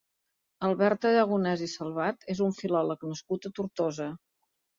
Albert Aragonés i Salvat és un filòleg nascut a Tortosa.